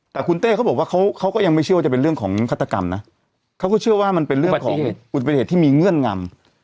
แต่คุณเต้เขาบอกว่าเขาก็ยังไม่เชื่อว่าจะเป็นเรื่องของฆาตกรรมนะเขาก็เชื่อว่ามันเป็นเรื่องของอุบัติเหตุที่มีเงื่อนงำ